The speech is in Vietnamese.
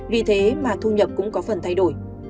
vì thế mà thu nhập cũng có phần thay đổi